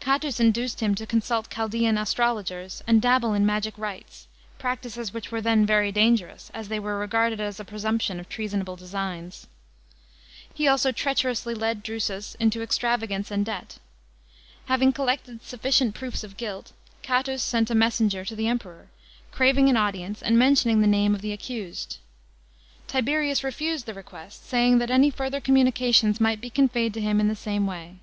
Catus induced him to consult Chaldaean astrologers, and dabble in magic rites, practices which were tnen very dangerous, as they were regarded as a presumption of treasonable designs. He also treacherously led Drusus into extravagance and debt. Having collected sufficient proofs of guilt, Catus sent a messenger to the Emperor, craving an audience and mentioning the name of the accused. Tiberius refused the request, saying that any further communications might be conveyed to him in the same way.